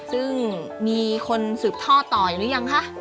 ซึ่งมีคนสืบท่อต่อหรือยังคะ